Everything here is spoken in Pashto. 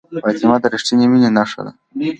فاطمه د ریښتینې مینې نښه ده.